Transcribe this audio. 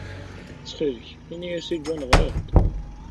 Ttxil-k, ini-as i John ɣriɣ-d.